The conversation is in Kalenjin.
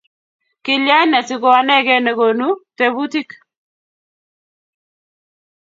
Kilyan asiko anegei neko konu tebutik?